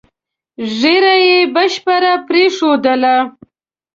ږیره یې بشپړه پرېښودله.